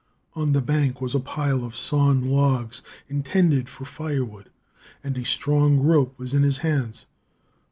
On the bank was a pile of sawn logs, intended for firewood; and a strong rope was in his hands.